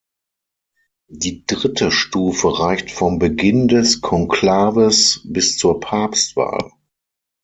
Die dritte Stufe reicht vom Beginn des Konklaves bis zur Papstwahl.